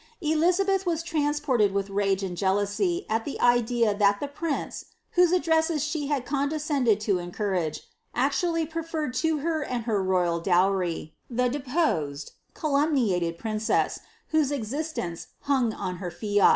Elizabeth was transported with rage and jealousy at the idea that the prince, whose addresses she had condescended to encourage, actually preferred to her and her royal dowry, the deposed, calumniated princess, whose exist ence hung on her fiat.